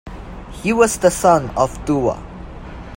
He was the son of Duwa.